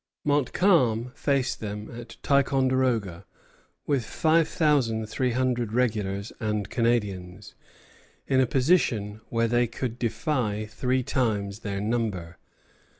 Montcalm faced them at Ticonderoga, with five thousand three hundred regulars and Canadians, in a position where they could defy three times their number.